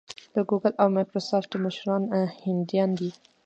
د ګوګل او مایکروسافټ مشران هندیان دي.